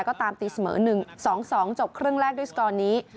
ก็ตามตีเสมอ๑๒๒จบครึ่งแรกด้วยสกอร์นี้